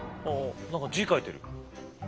何か字書いてる。